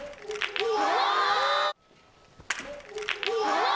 うわ！